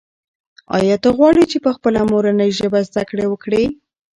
آیا ته غواړې چې په خپله مورنۍ ژبه زده کړه وکړې؟